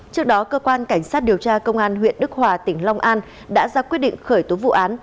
trước đó cơ quan cảnh sát điều tra công an huyện đức hòa tỉnh long an đã ra quyết định khởi tố vụ án